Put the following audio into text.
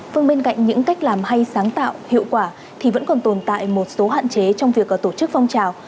vâng bên cạnh những cách làm hay sáng tạo hiệu quả thì vẫn còn tồn tại một số hạn chế trong việc tổ chức phong trào